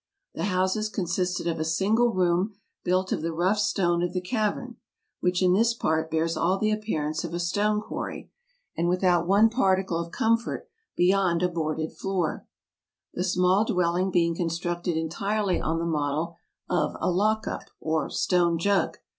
The houses consisted of a single room, built of the rough stone of the cavern — which, in this part, bears all the appearance of a stone quarry — and without one particle of comfort be yond a boarded floor, the small dwelling being constructed entirely on the model of a lock up, or " stone jug."